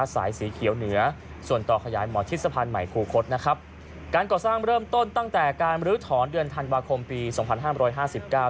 สีเขียวเหนือส่วนต่อขยายหมอชิดสะพานใหม่คูคศนะครับการก่อสร้างเริ่มต้นตั้งแต่การลื้อถอนเดือนธันวาคมปีสองพันห้ามร้อยห้าสิบเก้า